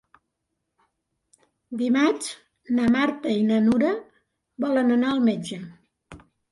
Dimarts na Marta i na Nura volen anar al metge.